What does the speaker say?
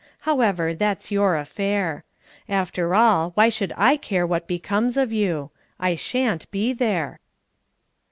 However, that's your affair. After all, why should I care what becomes of you? I shan't be there!"